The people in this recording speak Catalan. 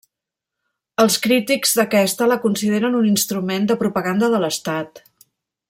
Els crítics d'aquesta la consideren un instrument de propaganda de l'estat.